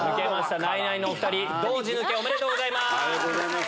ナイナイのお２人同時抜けおめでとうございます！